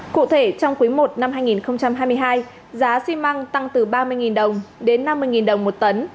cụ thể trong quý i năm hai nghìn hai mươi hai giá xi măng tăng từ ba mươi đồng đến năm mươi đồng một tấn